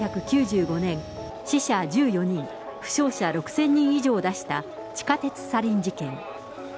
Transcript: １９９５年、死者１４人、負傷者６０００人以上を出した地下鉄サリン事件。